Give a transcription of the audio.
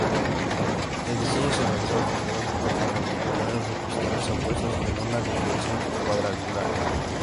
El diseño se realizó combinando cuatro motores de pistones opuestos en una configuración cuadrangular.